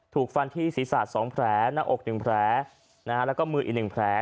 ถูกฟันที่ศีรษะ๒แผลหน้าอก๑แผลแล้วก็มืออีก๑แผล